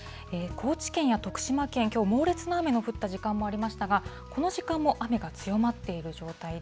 高知県や徳島県、きょう猛烈な雨の降った時間もありましたが、この時間も雨が強まっている状態で、